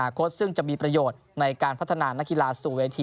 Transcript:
ในอนาคตซึ่งจะมีประโยชน์ในการพัฒนางานคียลาสู่เวที